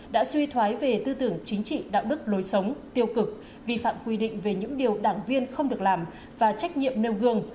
đã suy thoái về tư tưởng chính trị đạo đức lối sống tiêu cực vi phạm quy định về những điều đảng viên không được làm và trách nhiệm nêu gương